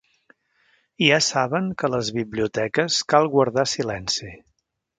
Ja saben que a les biblioteques cal guardar silenci.